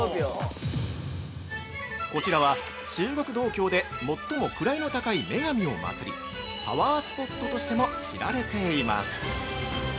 ◆こちらは中国道教で最も位の高い女神をまつり、パワースポットとしても知られています。